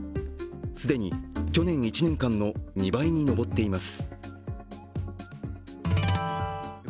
既に去年１年間の２倍に上っています。